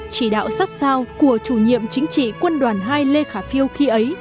chỉ đạo sát sao của chủ nhiệm chính trị quân đoàn hai lê khả phiêu khi ấy